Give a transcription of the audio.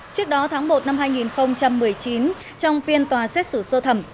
trước đó tháng một năm hai nghìn một mươi chín trong phiên tòa xét xử sơ thẩm